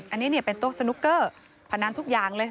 อันนี้เป็นโต๊ะสนุกเกอร์พนันทุกอย่างเลย